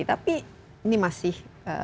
tapi ini masih